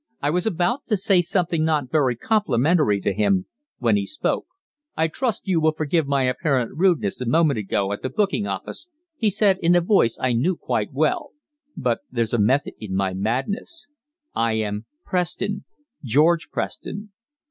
I was about to say something not very complimentary to him, when he spoke. "I trust you will forgive my apparent rudeness a moment ago at the booking office," he said in a voice I knew quite well, "but there's a method in my madness. I am Preston George Preston."